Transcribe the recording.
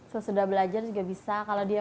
sesudah belajar juga bisa